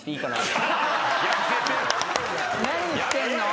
何してんの？